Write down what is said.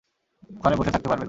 ওখানে বসে থাকতে পারবে না।